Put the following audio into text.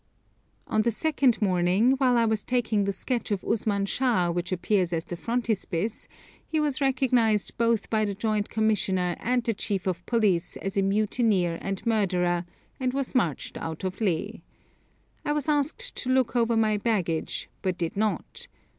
On the second morning, while I was taking the sketch of Usman Shah which appears as the frontispiece, he was recognised both by the Joint Commissioner and the chief of police as a mutineer and murderer, and was marched out of Leh. I was asked to look over my baggage, but did not.